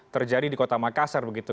terjadi di kota makassar begitu